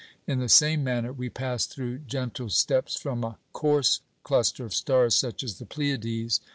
In the same manner we pass through gentle steps from a coarse cluster of stars, such as the Pleiades